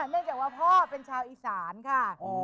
เนื่องจากว่าพ่อเป็นชาวอีสานค่ะ